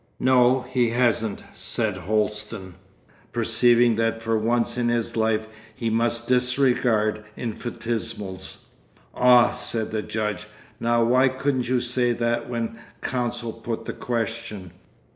'No, he hasn't,' said Holsten, perceiving that for once in his life he must disregard infinitesimals. 'Ah!' said the judge, 'now why couldn't you say that when counsel put the question?